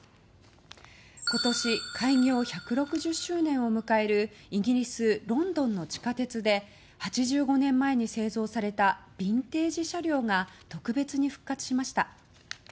今年、開業１６０周年を迎えるイギリス・ロンドンの地下鉄で８５年前に製造されたビンテージ車両が特別に復活しました。